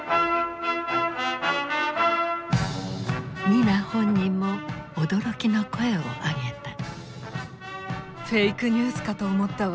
ニナ本人も驚きの声を上げた。